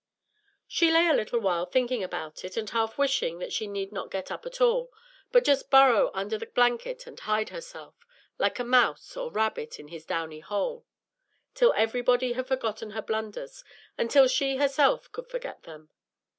She lay a little while thinking about it, and half wishing that she need not get up at all but just burrow under the blanket and hide herself, like a mouse or rabbit in his downy hole, till everybody had forgotten her blunders, and till she herself could forget them.